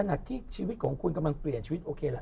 หนักที่ชีวิตของคุณกำลังเปลี่ยนชีวิตโอเคล่ะ